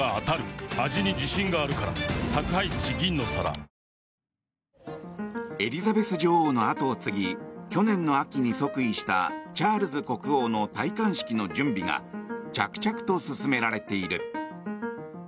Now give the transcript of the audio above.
今回目指しているのはルートを簡素化するなどのエリザベス女王の跡を継ぎ去年の秋に即位したチャールズ国王の戴冠式の準備が着々と進められている。